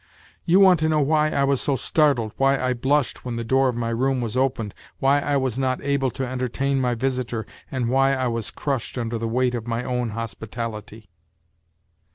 You want to know why I was so startled, why I blushed when the door of my room was opened, why I was not able to entertain my visitor, and why I was crushed under the Aveight of my own hospitality